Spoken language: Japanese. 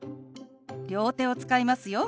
両手を使いますよ。